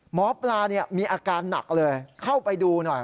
หมอปลามีอาการหนักเลยเข้าไปดูหน่อย